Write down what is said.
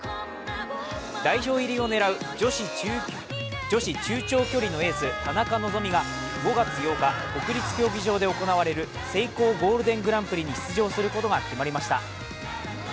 代表入りを狙う女子中距離のエース・田中希実が５月８日、国立競技場で行われるセイコーゴールデングランプリに出場することが決まりました。